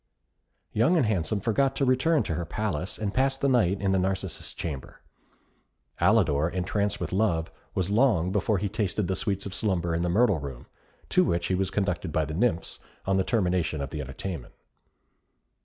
Young and Handsome forgot to return to her palace, and passed the night in the Narcissus Chamber. Alidor, entranced with love, was long before he tasted the sweets of slumber in the Myrtle Room, to which he was conducted by the nymphs, on the termination of the entertainment.